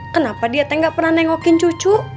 kenapa dia gak pernah nengokin cucu